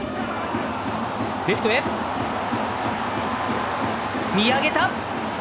レフト、見上げた！